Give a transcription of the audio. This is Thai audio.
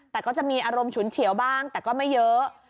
แต่ก็จะมีอารมณ์ฉุนเฉียวบ้างแต่ก็ไม่เยอะ